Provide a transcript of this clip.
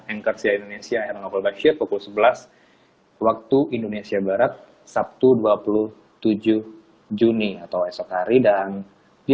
anchor sia indonesia eron oval bashir pukul sebelas waktu indonesia barat sabtu dua puluh tujuh juni atau esok hari